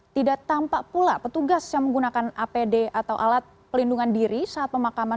tidak tampak pula petugas yang menggunakan apd atau alat pelindungan diri saat pemakaman